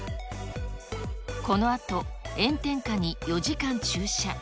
このあと、炎天下に４時間駐車。